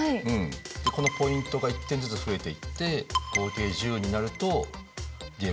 でこのポイントが１点ずつ増えていって合計１０になるとゲームクリア。